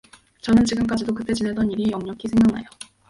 저는 지금까지도 그때 지내던 일이 역력히 생각나요.